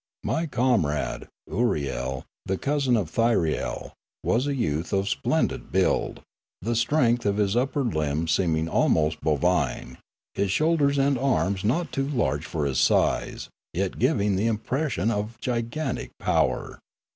My comrade, Ooriel, the cousin of Thyriel, was a youth of splendid build, the strength of his upper limbs seeming almost bovine, his shoulders and arms not too large for his size, yet giving the impression of gigantic power.